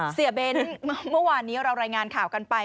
เบ้นเมื่อวานนี้เรารายงานข่าวกันไป